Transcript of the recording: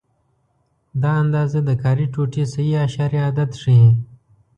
دا اندازه د کاري ټوټې صحیح اعشاریه عدد ښيي.